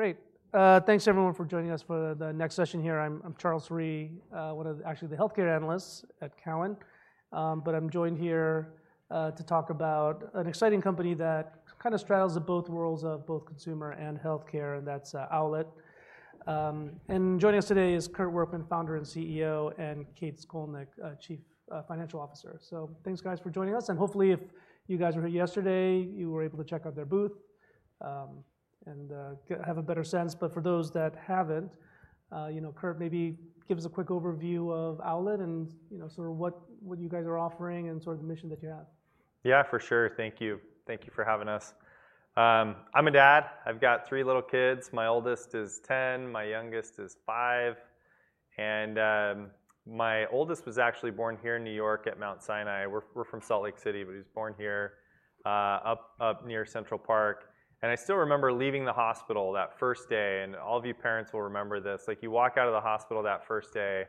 Great. Thanks everyone for joining us for the next session here. I'm Charles Rhyee, one of the, actually the healthcare analysts at Cowen. But I'm joined here to talk about an exciting company that kind of straddles both worlds of both consumer and healthcare, and that's Owlet. And joining us today is Kurt Workman, founder and CEO, and Kate Scolnick, Chief Financial Officer. So thanks, guys, for joining us, and hopefully if you guys were here yesterday, you were able to check out their booth, and have a better sense. But for those that haven't, you know, Kurt, maybe give us a quick overview of Owlet and, you know, sort of what you guys are offering and sort of the mission that you have. Yeah, for sure. Thank you. Thank you for having us. I'm a dad. I've got three little kids. My oldest is 10, my youngest is 5, and my oldest was actually born here in New York at Mount Sinai. We're from Salt Lake City, but he was born here near Central Park. And I still remember leaving the hospital that first day, and all of you parents will remember this, like, you walk out of the hospital that first day,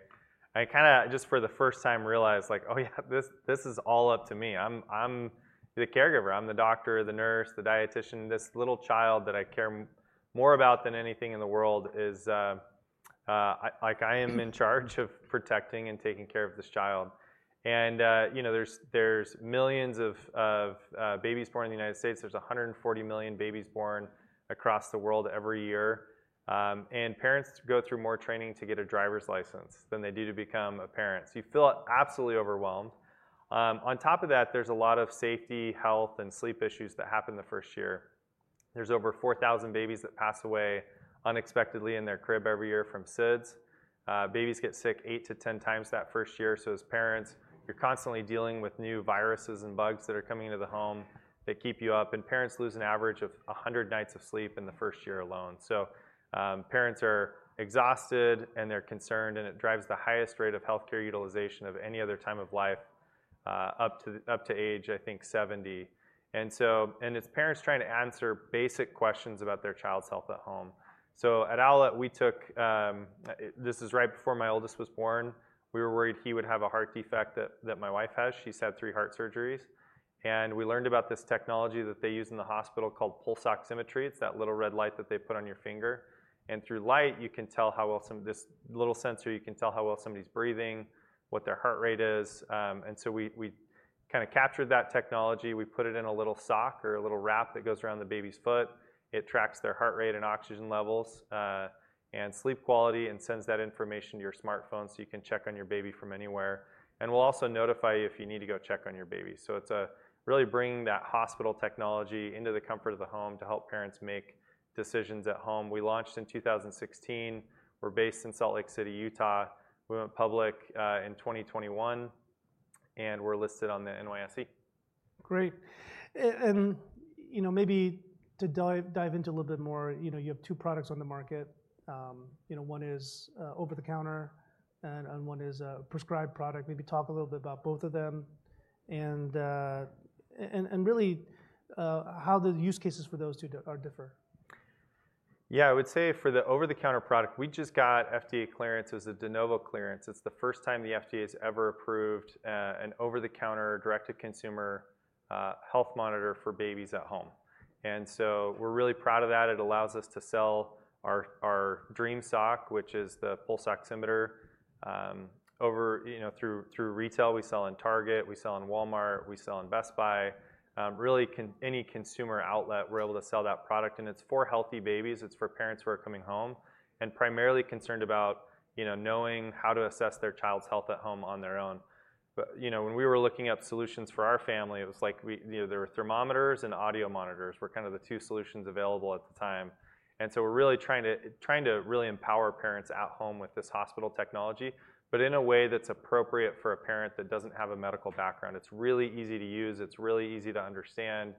I kinda just for the first time realized, like: Oh, yeah, this, this is all up to me. I'm the caregiver. I'm the doctor, the nurse, the dietician. This little child that I care more about than anything in the world is like, I am in charge of protecting and taking care of this child. You know, there's millions of babies born in the United States. There's 140 million babies born across the world every year. On top of that, there's a lot of safety, health, and sleep issues that happen in the first year. There's over 4,000 babies that pass away unexpectedly in their crib every year from SIDS. Babies get sick 8-10 times that first year, so as parents, you're constantly dealing with new viruses and bugs that are coming into the home. They keep you up, and parents lose an average of 100 nights of sleep in the first year alone. So, parents are exhausted, and they're concerned, and it drives the highest rate of healthcare utilization of any other time of life, up to age, I think, 70. And so, and it's parents trying to answer basic questions about their child's health at home. So at Owlet, we took. This is right before my oldest was born. We were worried he would have a heart defect that, that my wife has. She's had three heart surgeries, and we learned about this technology that they use in the hospital called pulse oximetry. It's that little red light that they put on your finger, and through light, you can tell how well this little sensor, you can tell how well somebody's breathing, what their heart rate is. And so we, we kinda captured that technology. We put it in a little sock or a little wrap that goes around the baby's foot. It tracks their heart rate and oxygen levels, and sleep quality and sends that information to your smartphone so you can check on your baby from anywhere, and will also notify you if you need to go check on your baby. So it's really bringing that hospital technology into the comfort of the home to help parents make decisions at home. We launched in 2016. We're based in Salt Lake City, Utah. We went public in 2021, and we're listed on the NYSE. Great. And, you know, maybe to dive into a little bit more, you know, you have two products on the market. You know, one is over-the-counter, and one is a prescribed product. Maybe talk a little bit about both of them, and really how the use cases for those two differ. Yeah, I would say for the over-the-counter product, we just got FDA clearance as a De Novo clearance. It's the first time the FDA has ever approved an over-the-counter, direct-to-consumer health monitor for babies at home, and so we're really proud of that. It allows us to sell our Dream Sock, which is the pulse oximeter, you know, through retail. We sell in Target, we sell in Walmart, we sell in Best Buy. Really, any consumer outlet, we're able to sell that product, and it's for healthy babies. It's for parents who are coming home and primarily concerned about, you know, knowing how to assess their child's health at home on their own. You know, when we were looking up solutions for our family, it was like we, you know, there were thermometers and audio monitors, were kind of the two solutions available at the time. And so we're really trying to, trying to really empower parents at home with this hospital technology, but in a way that's appropriate for a parent that doesn't have a medical background. It's really easy to use. It's really easy to understand.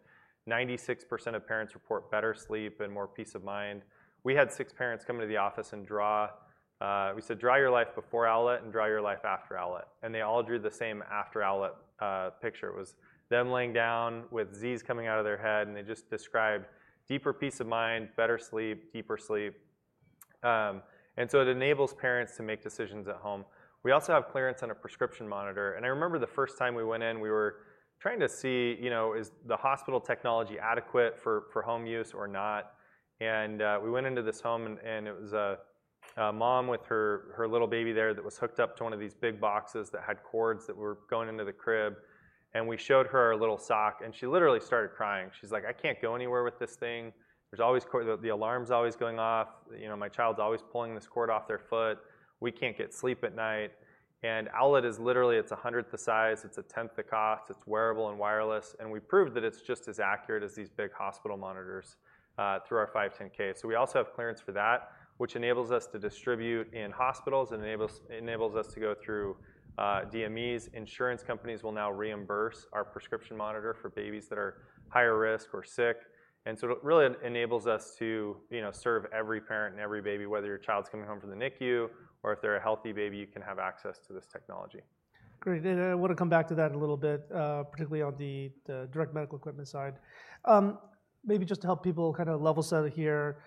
96% of parents report better sleep and more peace of mind. We had six parents come into the office and draw. We said, "Draw your life before Owlet, and draw your life after Owlet." And they all drew the same after Owlet picture. It was them lying down with Z's coming out of their head, and they just described deeper peace of mind, better sleep, deeper sleep. And so it enables parents to make decisions at home. We also have clearance on a prescription monitor, and I remember the first time we went in, we were trying to see, you know, is the hospital technology adequate for home use or not? And we went into this home, and it was a mom with her little baby there that was hooked up to one of these big boxes that had cords that were going into the crib, and we showed her our little sock, and she literally started crying. She's like: "I can't go anywhere with this thing. There's always the cord, the alarm's always going off. You know, my child's always pulling this cord off their foot. We can't get sleep at night." And Owlet is literally a hundredth the size. It's a tenth the cost. It's wearable and wireless, and we proved that it's just as accurate as these big hospital monitors through our 510(k). So we also have clearance for that, which enables us to distribute in hospitals and enables us to go through DMEs. Insurance companies will now reimburse our prescription monitor for babies that are higher risk or sick, and so it really enables us to, you know, serve every parent and every baby, whether your child's coming home from the NICU or if they're a healthy baby, you can have access to this technology. Great, and I wanna come back to that in a little bit, particularly on the direct medical equipment side. Maybe just to help people kinda level set it here,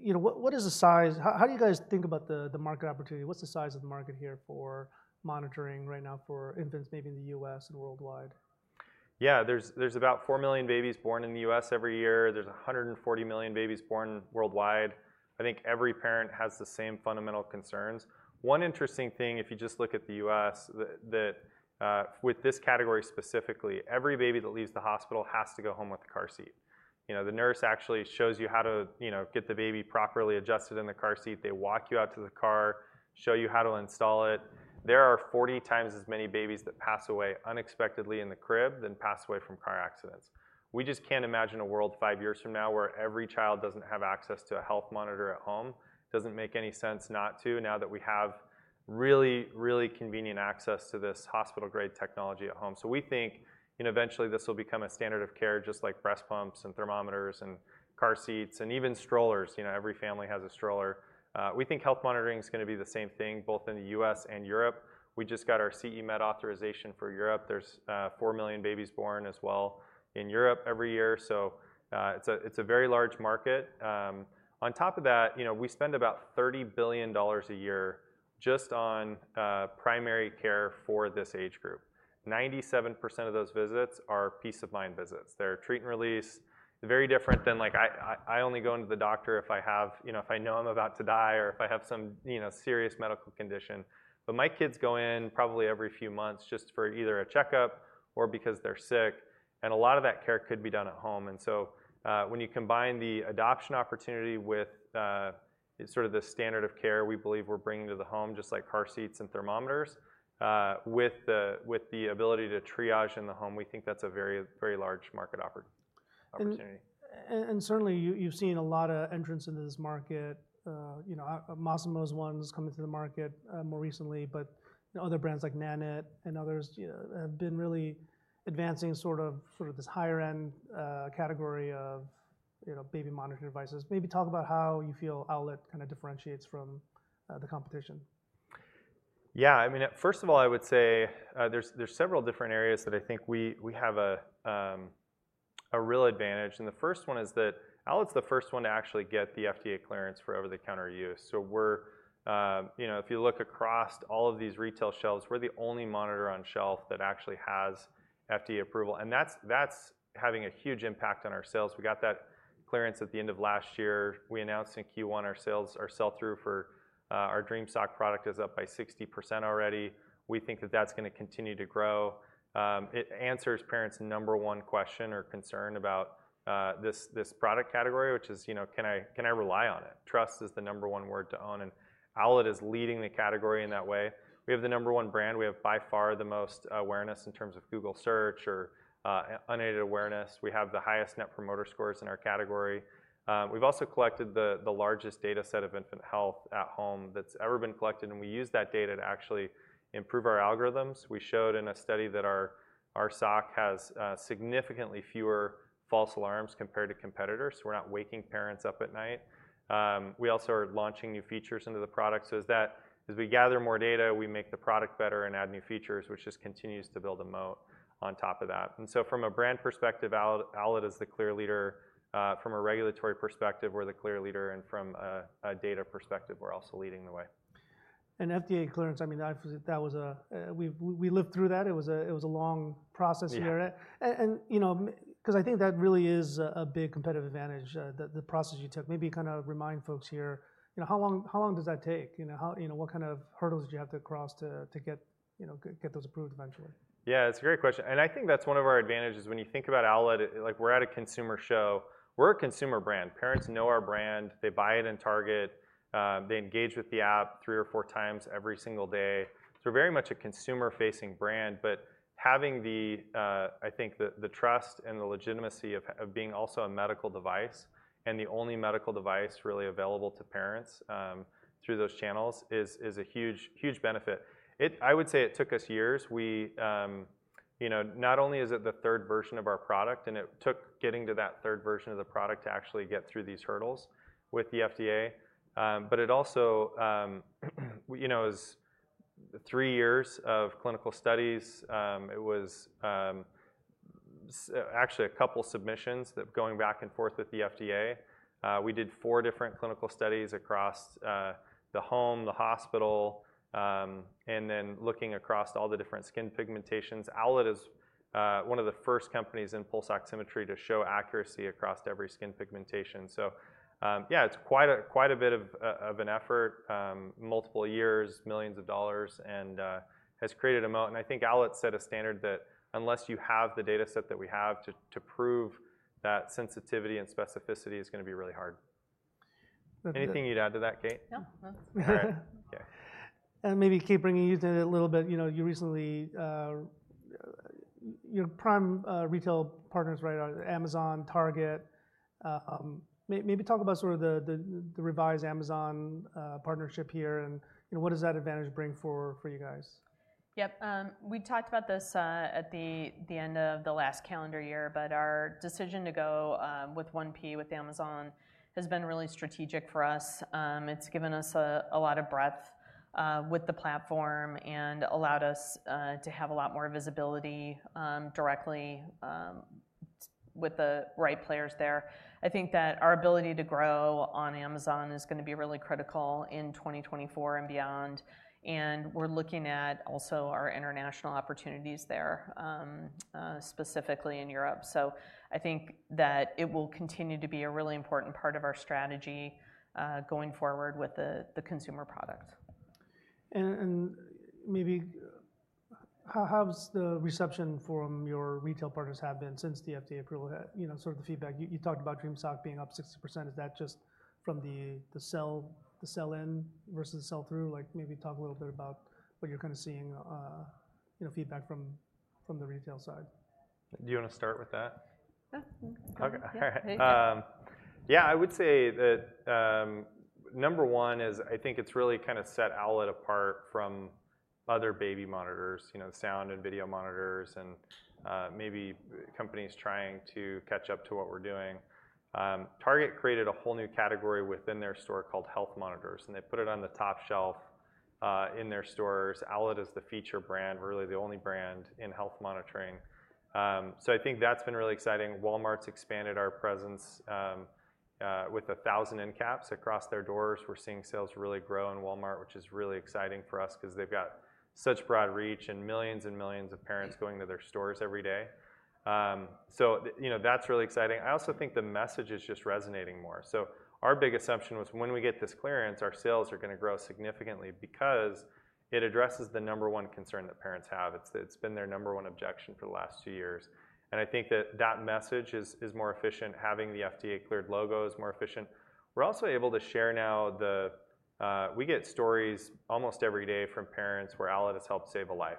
you know, what is the size - How do you guys think about the market opportunity? What's the size of the market here for monitoring right now for infants, maybe in the U.S. and worldwide? ...Yeah, there's about 4 million babies born in the U.S. every year. There's 140 million babies born worldwide. I think every parent has the same fundamental concerns. One interesting thing, if you just look at the U.S., with this category specifically, every baby that leaves the hospital has to go home with a car seat. You know, the nurse actually shows you how to, you know, get the baby properly adjusted in the car seat. They walk you out to the car, show you how to install it. There are 40 times as many babies that pass away unexpectedly in the crib than pass away from car accidents. We just can't imagine a world 5 years from now where every child doesn't have access to a health monitor at home. Doesn't make any sense not to, now that we have really, really convenient access to this hospital-grade technology at home. So we think, you know, eventually this will become a standard of care, just like breast pumps and thermometers and car seats, and even strollers. You know, every family has a stroller. We think health monitoring is gonna be the same thing, both in the U.S. and Europe. We just got our CE Mark for Europe. There's 4 million babies born as well in Europe every year, so it's a very large market. On top of that, you know, we spend about $30 billion a year just on primary care for this age group. 97% of those visits are peace of mind visits. They're treat and release. Very different than like, I only go into the doctor if I have... you know, if I know I'm about to die or if I have some, you know, serious medical condition. But my kids go in probably every few months just for either a checkup or because they're sick, and a lot of that care could be done at home. And so, when you combine the adoption opportunity with, sort of the standard of care, we believe we're bringing to the home, just like car seats and thermometers, with the ability to triage in the home, we think that's a very, very large market opportunity. And certainly you, you've seen a lot of entrants into this market. You know, Masimo's one was coming to the market more recently, but other brands like Nanit and others, you know, have been really advancing sort of this higher-end category of, you know, baby monitoring devices. Maybe talk about how you feel Owlet kinda differentiates from the competition. Yeah, I mean, first of all, I would say, there's several different areas that I think we have a real advantage. And the first one is that Owlet's the first one to actually get the FDA clearance for over-the-counter use. So we're, you know, if you look across all of these retail shelves, we're the only monitor on shelf that actually has FDA approval, and that's having a huge impact on our sales. We got that clearance at the end of last year. We announced in Q1 our sales, our sell-through for our Dream Sock product is up by 60% already. We think that that's gonna continue to grow. It answers parents' number one question or concern about this product category, which is, you know, "Can I, can I rely on it?" Trust is the number one word to own, and Owlet is leading the category in that way. We have the number one brand. We have, by far, the most awareness in terms of Google search or unaided awareness. We have the highest Net Promoter Scores in our category. We've also collected the largest data set of infant health at home that's ever been collected, and we use that data to actually improve our algorithms. We showed in a study that our sock has significantly fewer false alarms compared to competitors, so we're not waking parents up at night. We also are launching new features into the product so that as we gather more data, we make the product better and add new features, which just continues to build a moat on top of that. And so from a brand perspective, Owlet, Owlet is the clear leader. From a regulatory perspective, we're the clear leader, and from a data perspective, we're also leading the way. FDA clearance, I mean, that was... We lived through that. It was a long process here. Yeah. And, you know, 'cause I think that really is a big competitive advantage, the process you took. Maybe kind of remind folks here, you know, how long does that take? You know, how you know what kind of hurdles do you have to cross to get, you know, get those approved eventually? Yeah, it's a great question, and I think that's one of our advantages. When you think about Owlet, like, we're at a consumer show. We're a consumer brand. Parents know our brand. They buy it in Target. They engage with the app three or four times every single day. So we're very much a consumer-facing brand, but having the, I think the, the trust and the legitimacy of, of being also a medical device and the only medical device really available to parents, through those channels is, is a huge, huge benefit. It. I would say it took us years. We, you know, not only is it the third version of our product, and it took getting to that third version of the product to actually get through these hurdles with the FDA, but it also, you know, is three years of clinical studies. It was actually a couple submissions that going back and forth with the FDA. We did four different clinical studies across the home, the hospital, and then looking across all the different skin pigmentations. Owlet is one of the first companies in pulse oximetry to show accuracy across every skin pigmentation. So, yeah, it's quite a, quite a bit of of an effort, multiple years, millions of dollars, and has created a moat. And I think Owlet set a standard that unless you have the data set that we have, to to prove that sensitivity and specificity is gonna be really hard. That's it. Anything you'd add to that, Kate? No, no. All right. Okay. And maybe, Kate, bringing you in a little bit. You know, you recently. Your prime retail partners, right, are Amazon, Target. Maybe talk about sort of the revised Amazon partnership here, and, you know, what does that advantage bring for you guys? Yep, we talked about this at the end of the last calendar year, but our decision to go with 1P with Amazon has been really strategic for us. It's given us a lot of breadth with the platform and allowed us to have a lot more visibility directly with the right players there. I think that our ability to grow on Amazon is gonna be really critical in 2024 and beyond, and we're looking at also our international opportunities there specifically in Europe. So I think that it will continue to be a really important part of our strategy going forward with the consumer product. And maybe how's the reception from your retail partners have been since the FDA approval had, you know, sort of the feedback? You talked about Dream Sock being up 60%. Is that just from the sell-in versus the sell-through? Like, maybe talk a little bit about what you're kind of seeing, you know, feedback from the retail side. Do you wanna start with that? Yeah. Mm-hmm. Okay. All right. Yeah, I would say that number one is, I think it's really kind of set Owlet apart from other baby monitors, you know, sound and video monitors, and maybe companies trying to catch up to what we're doing. Target created a whole new category within their store called health monitors, and they put it on the top shelf in their stores. Owlet is the feature brand, we're really the only brand in health monitoring. So I think that's been really exciting. Walmart's expanded our presence with 1,000 end caps across their doors. We're seeing sales really grow in Walmart, which is really exciting for us 'cause they've got such broad reach and millions and millions of parents going to their stores every day. So, you know, that's really exciting. I also think the message is just resonating more. So our big assumption was when we get this clearance, our sales are gonna grow significantly because it addresses the number one concern that parents have. It's, it's been their number one objection for the last two years, and I think that that message is, is more efficient. Having the FDA-cleared logo is more efficient. We're also able to share now the... we get stories almost every day from parents where Owlet has helped save a life.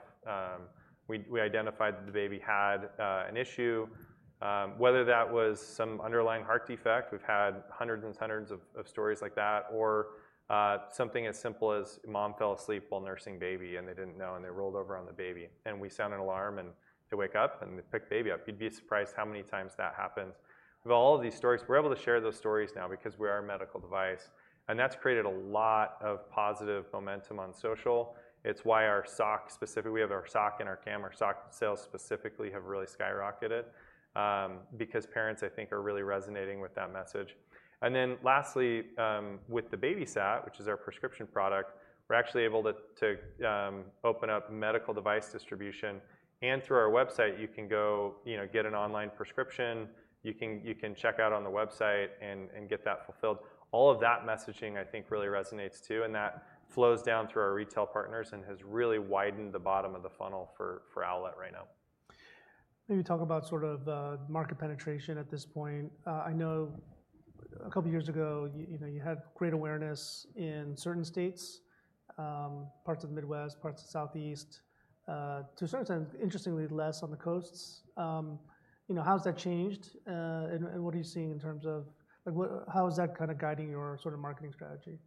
We, we identified that the baby had an issue, whether that was some underlying heart defect, we've had hundreds and hundreds of stories like that, or something as simple as mom fell asleep while nursing baby, and they didn't know, and they rolled over on the baby, and we sound an alarm, and they wake up and they pick the baby up. You'd be surprised how many times that happens. With all of these stories, we're able to share those stories now because we're a medical device, and that's created a lot of positive momentum on social. It's why our sock specifically. We have our sock and our camera. Sock sales specifically have really skyrocketed, because parents, I think, are really resonating with that message. And then lastly, with the BabySat, which is our prescription product, we're actually able to open up medical device distribution, and through our website, you can go, you know, get an online prescription. You can check out on the website and get that fulfilled. All of that messaging, I think, really resonates, too, and that flows down through our retail partners and has really widened the bottom of the funnel for Owlet right now. Maybe talk about sort of, market penetration at this point. I know a couple of years ago, you know, you had great awareness in certain states, parts of the Midwest, parts of the Southeast, to certain times, interestingly, less on the coasts. You know, how has that changed, and, and what are you seeing in terms of... Like, how is that kind of guiding your sort of marketing strategy?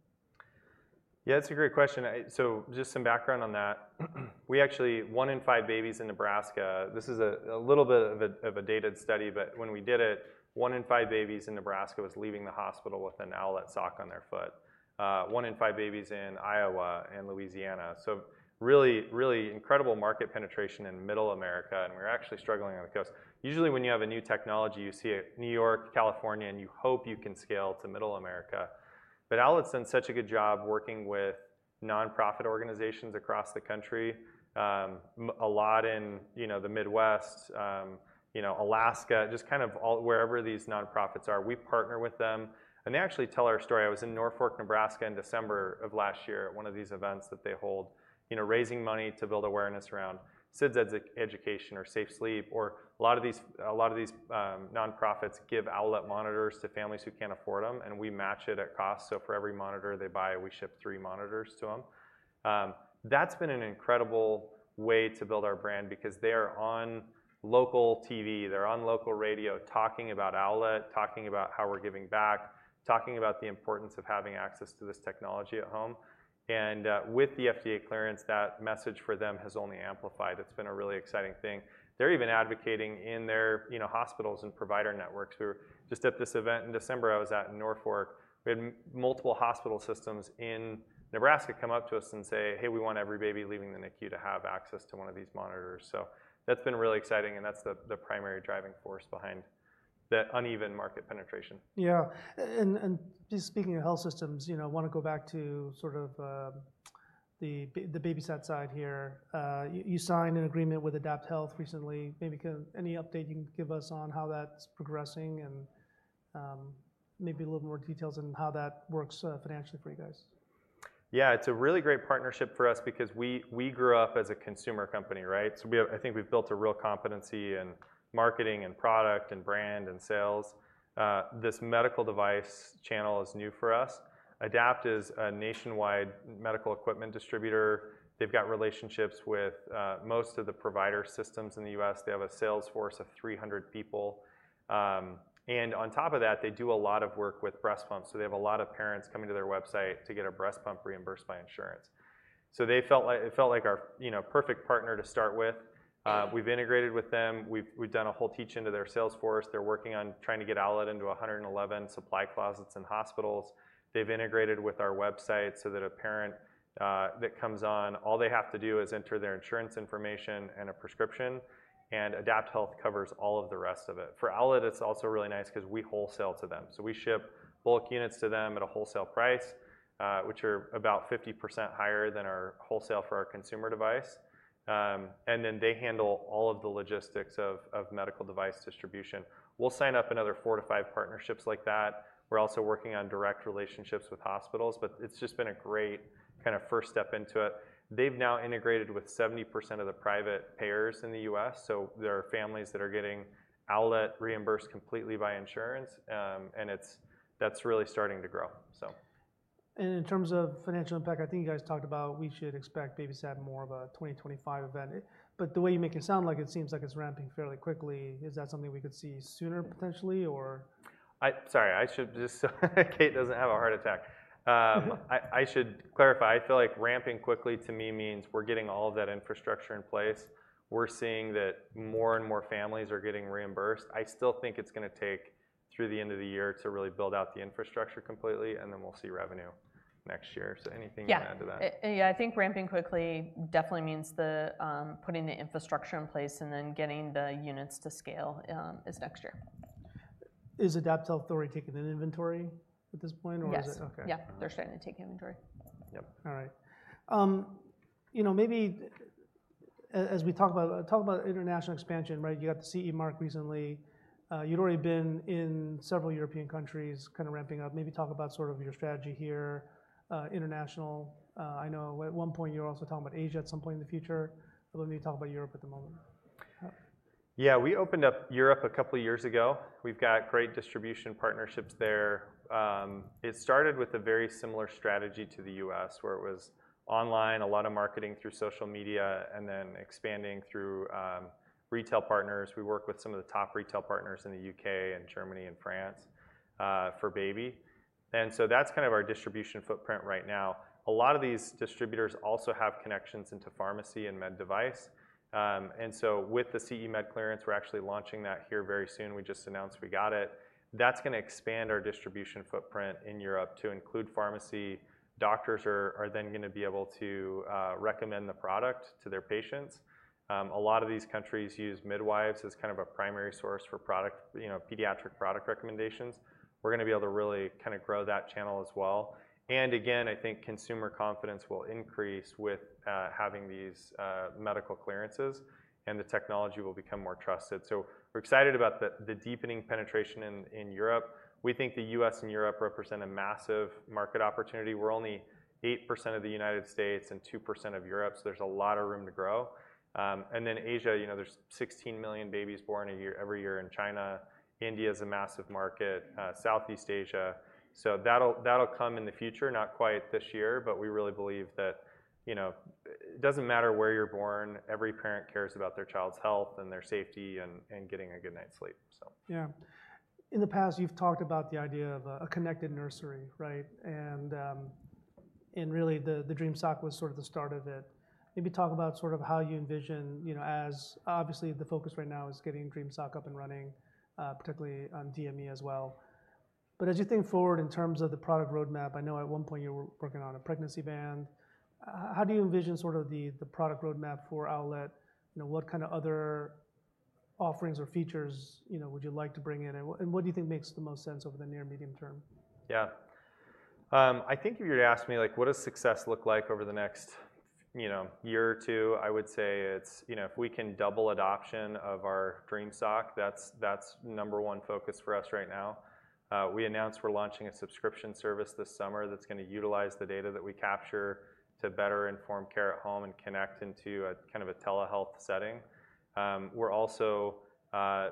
Yeah, it's a great question. So just some background on that. We actually one in five babies in Nebraska. This is a little bit of a dated study, but when we did it, one in five babies in Nebraska was leaving the hospital with an Owlet sock on their foot, one in five babies in Iowa and Louisiana. So really, really incredible market penetration in Middle America, and we're actually struggling on the coast. Usually, when you have a new technology, you see it New York, California, and you hope you can scale to Middle America. But Owlet's done such a good job working with nonprofit organizations across the country, a lot in, you know, the Midwest, you know, Alaska, just kind of all wherever these nonprofits are, we partner with them, and they actually tell our story. I was in Norfolk, Nebraska, in December of last year at one of these events that they hold, you know, raising money to build awareness around SIDS education or safe sleep or... A lot of these, a lot of these, nonprofits give Owlet monitors to families who can't afford them, and we match it at cost. So for every monitor they buy, we ship three monitors to them. That's been an incredible way to build our brand because they are on local TV, they're on local radio, talking about Owlet, talking about how we're giving back, talking about the importance of having access to this technology at home, and with the FDA clearance, that message for them has only amplified. It's been a really exciting thing. They're even advocating in their, you know, hospitals and provider networks who... Just at this event in December, I was at Norfolk. We had multiple hospital systems in Nebraska come up to us and say, "Hey, we want every baby leaving the NICU to have access to one of these monitors." So that's been really exciting, and that's the primary driving force behind that uneven market penetration. Yeah. And just speaking of health systems, you know, I wanna go back to sort of the BabySat side here. You signed an agreement with AdaptHealth recently. Maybe give any update you can give us on how that's progressing, and maybe a little more details on how that works, financially for you guys? Yeah, it's a really great partnership for us because we grew up as a consumer company, right? So we have I think we've built a real competency in marketing, in product, in brand, and sales. This medical device channel is new for us. Adapt is a nationwide medical equipment distributor. They've got relationships with most of the provider systems in the U.S. They have a sales force of 300 people. And on top of that, they do a lot of work with breast pumps, so they have a lot of parents coming to their website to get a breast pump reimbursed by insurance. So they felt like it felt like our, you know, perfect partner to start with. We've integrated with them. We've done a whole teach-in to their sales force. They're working on trying to get Owlet into 111 supply closets in hospitals. They've integrated with our website so that a parent that comes on, all they have to do is enter their insurance information and a prescription, and AdaptHealth covers all of the rest of it. For Owlet, it's also really nice 'cause we wholesale to them. So we ship bulk units to them at a wholesale price, which are about 50% higher than our wholesale for our consumer device. And then they handle all of the logistics of medical device distribution. We'll sign up another 4-5 partnerships like that. We're also working on direct relationships with hospitals, but it's just been a great kind of first step into it. They've now integrated with 70% of the private payers in the U.S., so there are families that are getting Owlet reimbursed completely by insurance. That's really starting to grow, so. In terms of financial impact, I think you guys talked about we should expect BabySat more of a 2025 event. But the way you make it sound like, it seems like it's ramping fairly quickly. Is that something we could see sooner, potentially, or? Sorry, I should just so Kate doesn't have a heart attack. I should clarify. I feel like ramping quickly to me means we're getting all of that infrastructure in place. We're seeing that more and more families are getting reimbursed. I still think it's gonna take through the end of the year to really build out the infrastructure completely, and then we'll see revenue next year. So anything you wanna add to that? Yeah. Yeah, I think ramping quickly definitely means putting the infrastructure in place and then getting the units to scale is next year. Is AdaptHealth taking an inventory at this point, or is it- Yes. Okay. Yeah, they're starting to take inventory. Yep. All right. You know, maybe as we talk about international expansion, right? You got the CE Mark recently. You'd already been in several European countries, kinda ramping up. Maybe talk about sort of your strategy here, international. I know at one point you were also talking about Asia at some point in the future. But let me talk about Europe at the moment. Yeah, we opened up Europe a couple of years ago. We've got great distribution partnerships there. It started with a very similar strategy to the U.S., where it was online, a lot of marketing through social media, and then expanding through retail partners. We work with some of the top retail partners in the U.K. and Germany and France for baby. And so that's kind of our distribution footprint right now. A lot of these distributors also have connections into pharmacy and med device. And so with the CE med clearance, we're actually launching that here very soon. We just announced we got it. That's gonna expand our distribution footprint in Europe to include pharmacy. Doctors are then gonna be able to recommend the product to their patients. A lot of these countries use midwives as kind of a primary source for product, you know, pediatric product recommendations. We're gonna be able to really kinda grow that channel as well. And again, I think consumer confidence will increase with having these medical clearances, and the technology will become more trusted. So we're excited about the deepening penetration in Europe. We think the U.S. and Europe represent a massive market opportunity. We're only 8% of the United States and 2% of Europe, so there's a lot of room to grow. And then Asia, you know, there's 16 million babies born a year, every year in China. India is a massive market, Southeast Asia. So that'll, that'll come in the future, not quite this year, but we really believe that, you know, it doesn't matter where you're born, every parent cares about their child's health and their safety and, and getting a good night's sleep. So... Yeah. In the past, you've talked about the idea of a connected nursery, right? And, and really, the Dream Sock was sort of the start of it. Maybe talk about sort of how you envision, you know, as obviously, the focus right now is getting Dream Sock up and running, particularly on DME as well. But as you think forward in terms of the product roadmap, I know at one point you were working on a pregnancy band. How do you envision sort of the product roadmap for Owlet? You know, what kind of other offerings or features, you know, would you like to bring in, and and what do you think makes the most sense over the near medium term? Yeah. I think if you were to ask me, like, what does success look like over the next, you know, year or two, I would say it's, you know, if we can double adoption of our Dream Sock, that's, that's number one focus for us right now. We announced we're launching a subscription service this summer that's gonna utilize the data that we capture to better inform care at home and connect into a kind of a telehealth setting. We're also,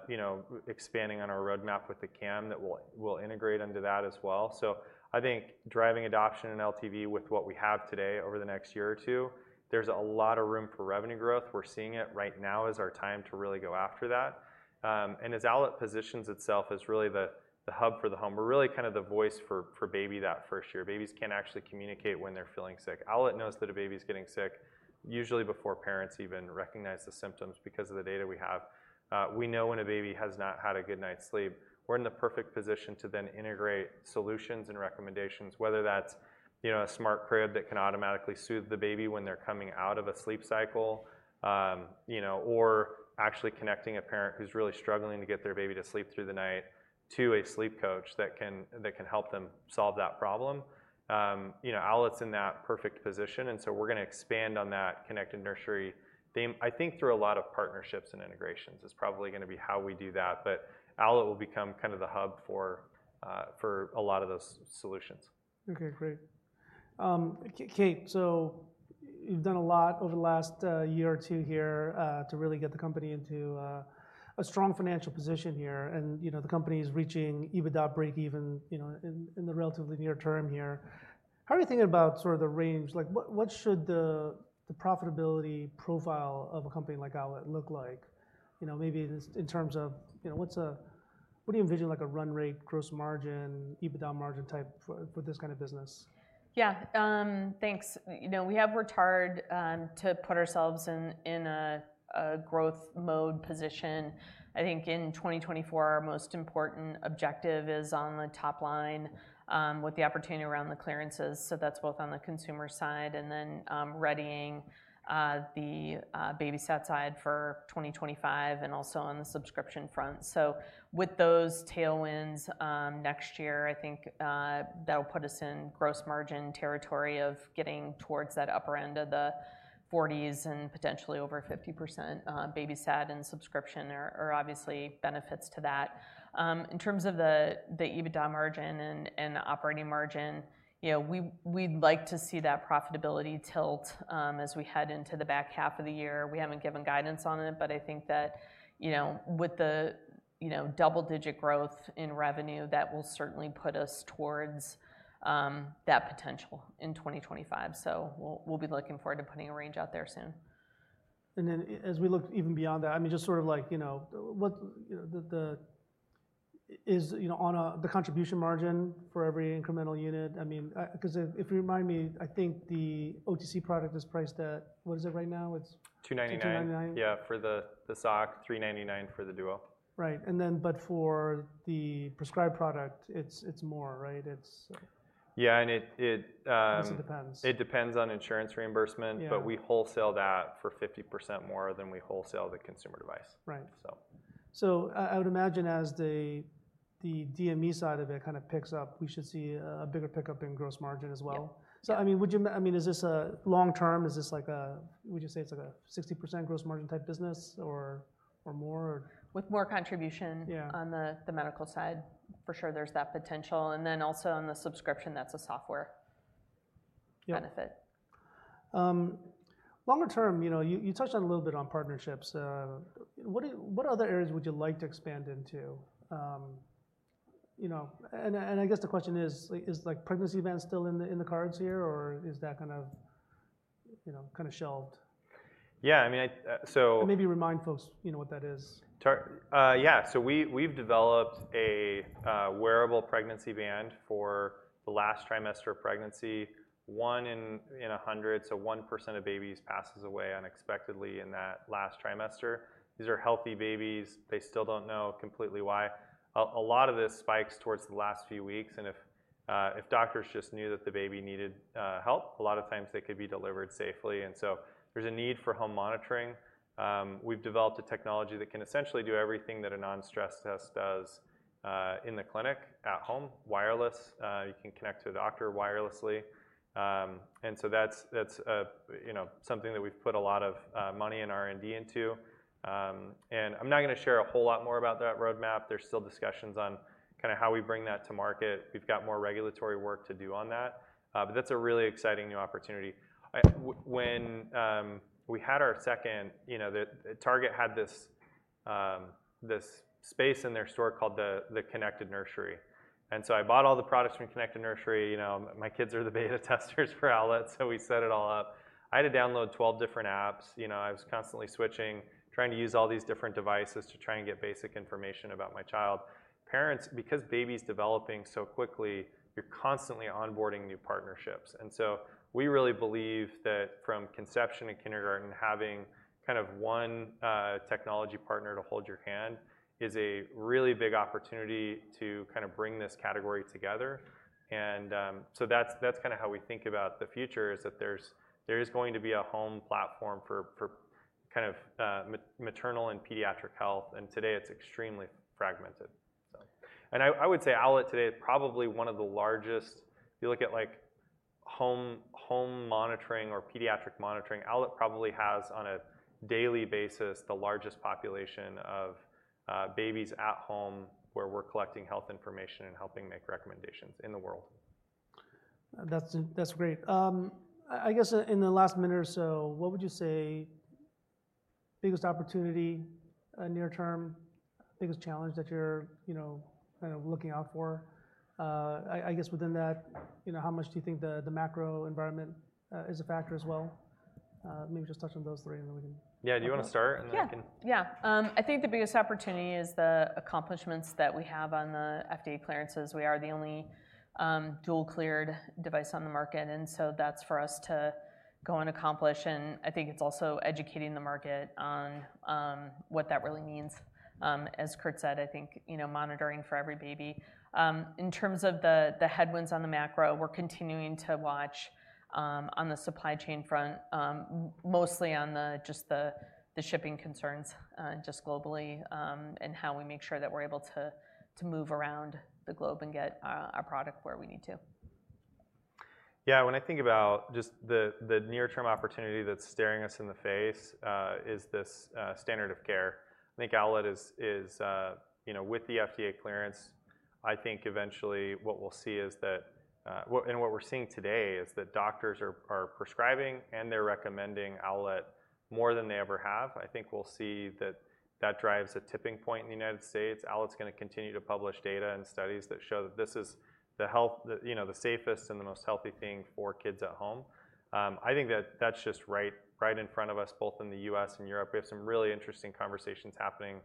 you know, expanding on our roadmap with the cam that will, will integrate into that as well. So I think driving adoption in LTV with what we have today over the next year or two, there's a lot of room for revenue growth. We're seeing it right now as our time to really go after that. And as Owlet positions itself as really the hub for the home, we're really kind of the voice for baby that first year. Babies can't actually communicate when they're feeling sick. Owlet knows that a baby's getting sick, usually before parents even recognize the symptoms because of the data we have. We know when a baby has not had a good night's sleep. We're in the perfect position to then integrate solutions and recommendations, whether that's, you know, a smart crib that can automatically soothe the baby when they're coming out of a sleep cycle, you know, or actually connecting a parent who's really struggling to get their baby to sleep through the night to a sleep coach that can help them solve that problem. You know, Owlet's in that perfect position, and so we're gonna expand on that connected nursery theme. I think through a lot of partnerships and integrations is probably gonna be how we do that, but Owlet will become kind of the hub for, for a lot of those solutions. Okay, great. Kate, so you've done a lot over the last year or two here to really get the company into a strong financial position here, and, you know, the company is reaching EBITDA breakeven, you know, in the relatively near term here. How are you thinking about sort of the range? Like, what should the profitability profile of a company like Owlet look like? You know, maybe in this, in terms of, you know, what do you envision, like, a run rate, gross margin, EBITDA margin type for this kind of business? Yeah, thanks. You know, we have worked hard to put ourselves in a growth mode position. I think in 2024, our most important objective is on the top line with the opportunity around the clearances, so that's both on the consumer side and then readying the BabySat side for 2025 and also on the subscription front. So with those tailwinds, next year, I think, that'll put us in gross margin territory of getting towards that upper end of the 40s and potentially over 50%, BabySat and subscription are obviously benefits to that. In terms of the EBITDA margin and the operating margin, you know, we'd like to see that profitability tilt as we head into the back half of the year. We haven't given guidance on it, but I think that, you know, with the, you know, double-digit growth in revenue, that will certainly put us towards that potential in 2025. So we'll, we'll be looking forward to putting a range out there soon.... And then as we look even beyond that, I mean, just sort of like, you know, what is the contribution margin for every incremental unit. I mean, 'cause if you remind me, I think the OTC product is priced at, what is it right now? It's- $299. $299. Yeah, for the sock, $399 for the duo. Right. But for the prescribed product, it's more, right? It's- Yeah, and it- I guess it depends. It depends on insurance reimbursement. Yeah. But we wholesale that for 50% more than we wholesale the consumer device. Right. So. So I would imagine as the DME side of it kind of picks up, we should see a bigger pickup in gross margin as well? Yeah. So, I mean, would you... I mean, is this a long term? Is this like a, would you say it's like a 60% gross margin type business or, or more? With more contribution- Yeah... on the medical side, for sure there's that potential, and then also in the subscription, that's a software- Yeah - benefit. Longer term, you know, you touched on a little bit on partnerships. What other areas would you like to expand into? You know, and I guess the question is, like, is pregnancy band still in the cards here, or is that kind of, you know, kind of shelved? Yeah, I mean, I, so- Maybe remind folks, you know, what that is. Yeah, so we, we've developed a wearable pregnancy band for the last trimester of pregnancy. One in 100, so 1% of babies passes away unexpectedly in that last trimester. These are healthy babies. They still don't know completely why. A lot of this spikes towards the last few weeks, and if doctors just knew that the baby needed help, a lot of times they could be delivered safely. And so there's a need for home monitoring. We've developed a technology that can essentially do everything that a Non-Stress Test does, in the clinic at home, wireless. You can connect to a doctor wirelessly. And so that's, that's, you know, something that we've put a lot of money and R&D into. And I'm not gonna share a whole lot more about that roadmap. There's still discussions on kinda how we bring that to market. We've got more regulatory work to do on that, but that's a really exciting new opportunity. When we had our second, you know, Target had this space in their store called the Connected Nursery. So I bought all the products from Connected Nursery. You know, my kids are the beta testers for Owlet, so we set it all up. I had to download 12 different apps. You know, I was constantly switching, trying to use all these different devices to try and get basic information about my child. Parents, because baby's developing so quickly, you're constantly onboarding new partnerships. We really believe that from conception to kindergarten, having kind of one technology partner to hold your hand is a really big opportunity to kind of bring this category together. So that's, that's kinda how we think about the future, is that there is going to be a home platform for kind of maternal and pediatric health, and today it's extremely fragmented, so. And I would say Owlet today is probably one of the largest. If you look at, like, home monitoring or pediatric monitoring, Owlet probably has, on a daily basis, the largest population of babies at home, where we're collecting health information and helping make recommendations in the world. That's, that's great. I, I guess, in the last minute or so, what would you say biggest opportunity, near term, biggest challenge that you're, you know, kind of looking out for? I, I guess within that, you know, how much do you think the, the macro environment, is a factor as well? Maybe just touch on those three, and then we can- Yeah, do you wanna start, and then I can- Yeah. Yeah, I think the biggest opportunity is the accomplishments that we have on the FDA clearances. We are the only, dual-cleared device on the market, and so that's for us to go and accomplish, and I think it's also educating the market on, what that really means. As Kurt said, I think, you know, monitoring for every baby. In terms of the headwinds on the macro, we're continuing to watch, on the supply chain front, mostly on the, just the shipping concerns, just globally, and how we make sure that we're able to, to move around the globe and get our product where we need to. Yeah, when I think about just the near-term opportunity that's staring us in the face, is this standard of care. I think Owlet is, you know, with the FDA clearance, I think eventually what we'll see is that. And what we're seeing today is that doctors are prescribing, and they're recommending Owlet more than they ever have. I think we'll see that that drives a tipping point in the United States. Owlet's gonna continue to publish data and studies that show that this is the health, you know, the safest and the most healthy thing for kids at home. I think that that's just right, right in front of us, both in the U.S. and Europe. We have some really interesting conversations happening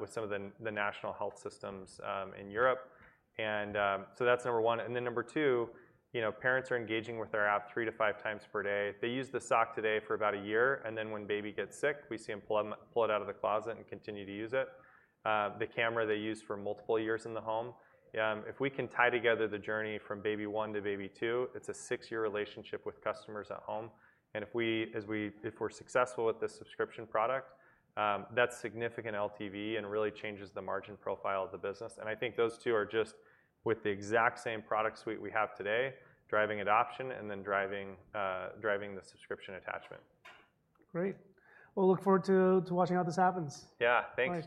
with some of the national health systems in Europe, and so that's number 1. And then number 2, you know, parents are engaging with our app 3-5 times per day. They use the sock today for about a year, and then when baby gets sick, we see them pull them, pull it out of the closet and continue to use it. The camera they use for multiple years in the home. If we can tie together the journey from baby one to baby two, it's a 6-year relationship with customers at home, and if we're successful with this subscription product, that's significant LTV and really changes the margin profile of the business. I think those two are just with the exact same product suite we have today, driving adoption and then driving, driving the subscription attachment. Great. Well, look forward to watching how this happens. Yeah. Thanks.